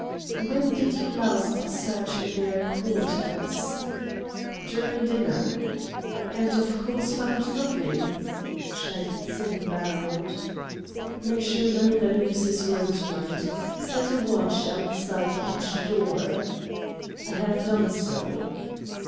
"When did you last search their quarters?" "During dinner." "And of course found nothing?" Shaik Tsin bowed. "Make sure neither leaves his room to night. Set a watch outside each door." "I have done so."